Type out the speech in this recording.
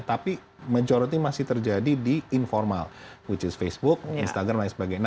tapi menjorotnya masih terjadi di informal which is facebook instagram dan sebagainya